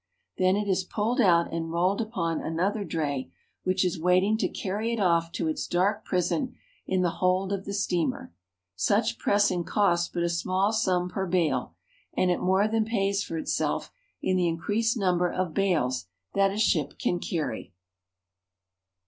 Then it is pulled out and rolled upon another dray, which is waiting to carry it off to its dark prison in the hold of the steamer. Such pressing costs but a small sum per bale, and it more than pays for itself in the increased number of bales that a ship can carry.